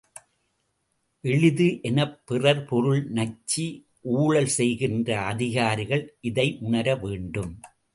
எளிது எனப் பிறர் பொருள் நச்சி ஊழல் செய்கின்ற அதிகாரிகள் இதை உணர வேண்டும்.